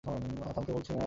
থামতে, বলছিনা?